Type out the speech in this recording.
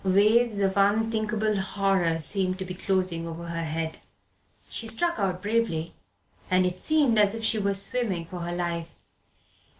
Waves of unthinkable horror seemed to be closing over her head. She struck out bravely, and it seemed as though she were swimming for her life.